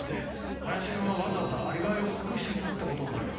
林君はわざわざアリバイを隠してたってことになるよ。